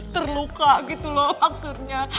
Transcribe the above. terluka gitu loh maksudnya